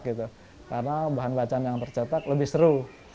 karena bahan bacaan yang tercetak lebih seru